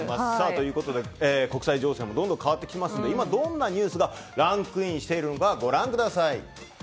ということで、国際情勢もどんどん変わってきますので今、どんなニュースがランクインしているのかご覧ください。